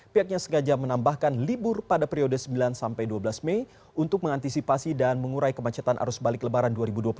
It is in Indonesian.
pihaknya sengaja menambahkan libur pada periode sembilan sampai dua belas mei untuk mengantisipasi dan mengurai kemacetan arus balik lebaran dua ribu dua puluh tiga